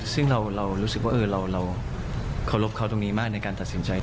ซึ่งเรารู้สึกว่าเราเคารพเขาตรงนี้มากในการตัดสินใจ